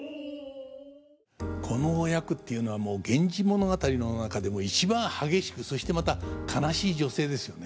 このお役っていうのはもう「源氏物語」の中でも一番激しくそしてまた悲しい女性ですよね。